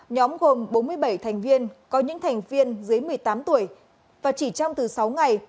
nhóm gồm bốn mươi bảy thành viên có những thành viên dưới một mươi tám tuổi và chỉ trong từ sáu ngày